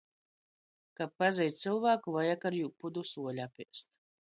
Kab pazeit cylvāku, vajag ar jū pudu suoļa apēst.